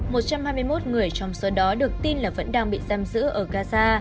một trăm hai mươi một người trong số đó được tin là vẫn đang bị giam giữ ở gaza